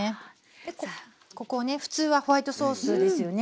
ここね普通はホワイトソースですよね